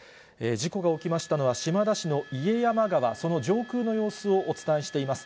事故が起きましたのは、島田市の家山川、その上空の様子をお伝えしています。